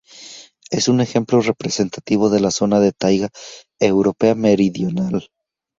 Es un ejemplo representativo de la zona de taiga europea meridional.